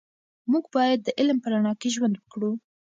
موږ باید د علم په رڼا کې ژوند وکړو.